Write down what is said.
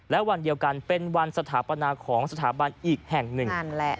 และวันเดียวกันเป็นวันสถาปนาของสถาบันอีกแห่งหนึ่ง